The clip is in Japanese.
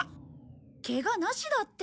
ケガなしだって。